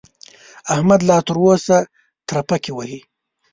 احمد لا تر اوسه ترپکې وهي.